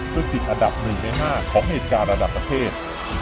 ซึ่งติดอันดับ๑ใน๕ของเหตุการณ์ระดับประเทศ